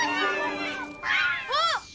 あっ！